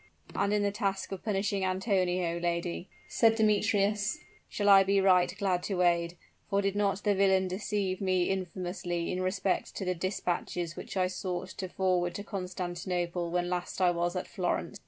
"And in the task of punishing Antonio, lady," said Demetrius, "shall I be right glad to aid for did not the villain deceive me infamously in respect to the dispatches which I sought to forward to Constantinople when last I was at Florence?